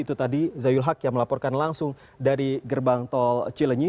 itu tadi zayul haq yang melaporkan langsung dari gerbang tol cilenyi